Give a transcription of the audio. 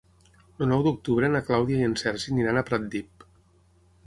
El nou d'octubre na Clàudia i en Sergi aniran a Pratdip.